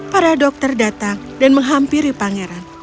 para dokter datang dan menghampiri pangeran